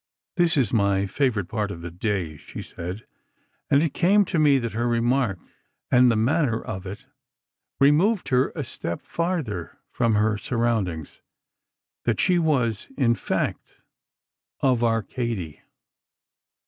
"This is my favorite part of the day," she said, and it came to me that her remark, and the manner of it, removed her a step farther from her surroundings: that she was, in fact, of Arcady.